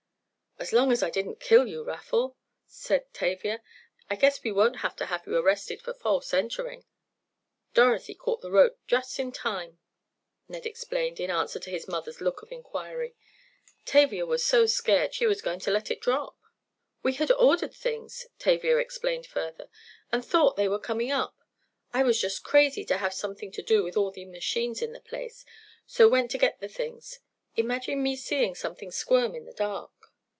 "As long as I didn't kill you, Raffle," said Tavia, "I guess we won't have to have you arrested for false entering." "Dorothy caught the rope just in time," Ned explained, in answer to his mother's look of inquiry. "Tavia was so scared she was going to let it drop." "We had ordered things," Tavia explained further, "and thought they were coming up. I was just crazy to have something to do with all the machines in the place, so went to get the things. Imagine me seeing something squirm in the dark!"